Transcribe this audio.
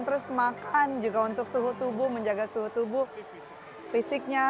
terus makan juga untuk suhu tubuh menjaga suhu tubuh fisiknya